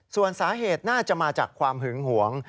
ส่วนสาเหตุน่าจะมาจากความหึงหวง